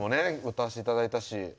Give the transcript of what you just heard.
歌わせていただいたし。